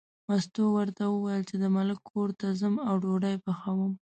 مستو ورته وویل چې د ملک کور ته ځم او ډوډۍ پخوم.